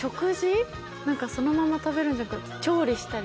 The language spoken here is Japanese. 何かそのまま食べるんじゃなくて調理したり。